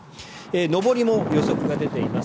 上りも予測が出ています。